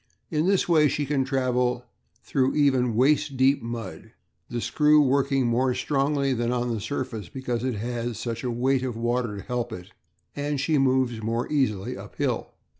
In this way she can travel through even waist deep mud, the screw working more strongly than on the surface, because it has such a weight of water to help it, and she moves more easily uphill.